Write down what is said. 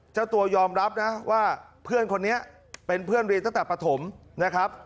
เจ้าตัวยอมรับนะว่าเพื่อนคนนี้เป็นเพื่อนเรียนตั้งแต่ปฐมนะครับ